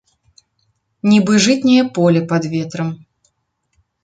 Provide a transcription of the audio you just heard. Нібы жытняе поле пад ветрам.